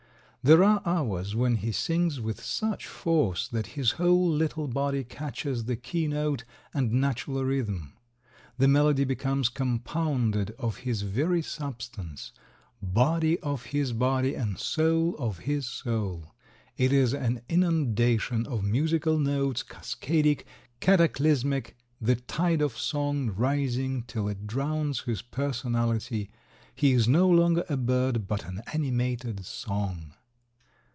There are hours when he sings with such force that his whole little body catches the key note and natural rhythm; the melody becomes compounded of his very substance, body of his body and soul of his soul. It is an inundation of musical notes, cascadic, cataclysmic, the tide of song rising till it drowns his personality; he is no longer a bird but an animated song.